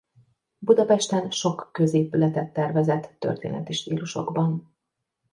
Budapesten sok középületet tervezett történeti stílusokban.